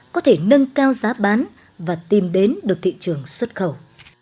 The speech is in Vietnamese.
có thể nâng cao giá bán và tìm đến được thị trường xuất khẩu